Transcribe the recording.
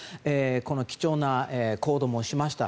貴重な行動もしました。